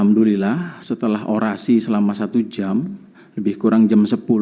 alhamdulillah setelah orasi selama satu jam lebih kurang jam sepuluh